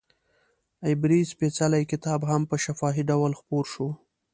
عبري سپېڅلی کتاب هم په شفاهي ډول خپور شو.